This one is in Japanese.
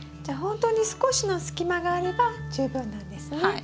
じゃあほんとに少しの隙間があれば十分なんですね。